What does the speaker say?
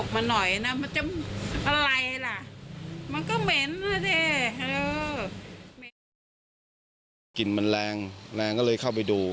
มันกลิ่นมันแรงแรงก็เลยเข้าไปดู